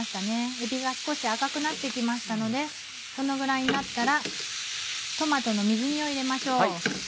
えびが少し赤くなって来ましたのでこのぐらいになったらトマトの水煮を入れましょう。